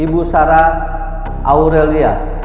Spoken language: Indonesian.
ibu sarah aurelia